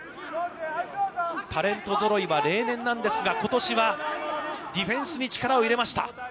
タレントぞろいは例年なんですが、ことしはディフェンスに力を入れました。